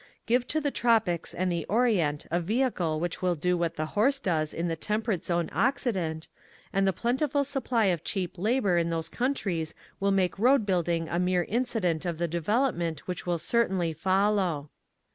Give to the tropics and the orient a vehicle which will do what the horse does in the temperate zone Occident, and the plentiful supply of cheap labor in those countries will! n:ake road building a mere incident of the development which will certainly follow.